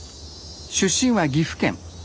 出身は岐阜県。